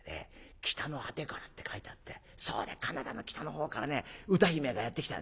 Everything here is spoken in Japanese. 『北の果てから』って書いてあってそれでカナダの北の方からね歌姫がやって来た」。